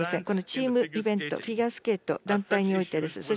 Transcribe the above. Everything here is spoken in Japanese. このチームイベント、フィギュアスケート団体においてです。